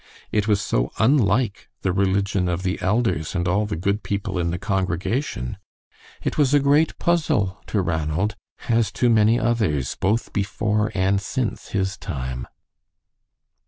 It was so unlike the religion of the elders and all the good people in the congregation. It was a great puzzle to Ranald, as to many others, both before and since his time.